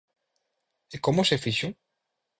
¿E como se fixo?